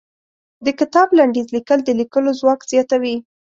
د کتاب لنډيز ليکل د ليکلو ځواک زياتوي.